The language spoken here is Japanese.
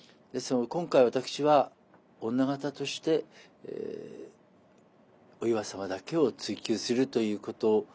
今回私は女方としてお岩様だけを追求するということになります。